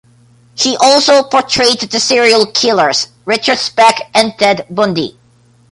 He also portrayed the serial killers Richard Speck and Ted Bundy.